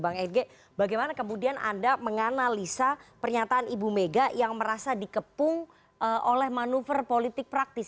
bang eg bagaimana kemudian anda menganalisa pernyataan ibu mega yang merasa dikepung oleh manuver politik praktis